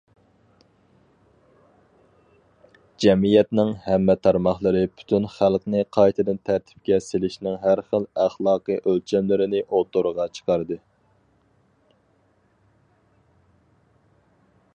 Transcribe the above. جەمئىيەتنىڭ ھەممە تارماقلىرى پۈتۈن خەلقنى قايتىدىن تەرتىپكە سېلىشنىڭ ھەر خىل ئەخلاقىي ئۆلچەملىرىنى ئوتتۇرىغا چىقاردى.